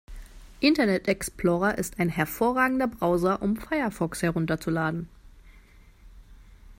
Internet Explorer ist ein hervorragender Browser, um Firefox herunterzuladen.